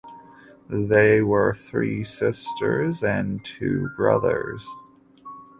They were three sisters and two brothers.